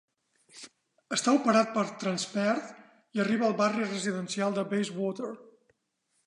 Està operat per Transperth i arriba al barri residencial de Bayswater.